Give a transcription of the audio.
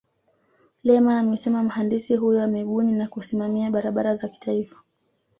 Lema amesema mhandisi huyo amebuni na kusimamia barabara za kitaifa